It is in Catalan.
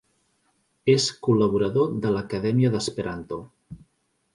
És col·laborador de l'Acadèmia d'Esperanto.